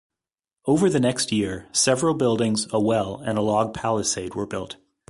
Over the next year, several buildings, a well, and a log palisade were built.